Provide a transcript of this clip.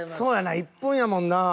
１分やもんなぁ。